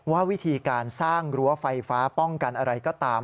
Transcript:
ว่าวิธีการสร้างรั้วไฟฟ้าป้องกันอะไรก็ตาม